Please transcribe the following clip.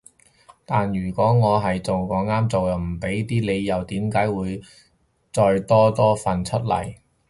但如果我係做啱又畀唔到理由點解會再做多份出嚟